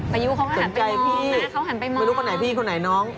พายู้เขาก็หันไปมอง